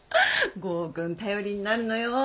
剛くん頼りになるのよ。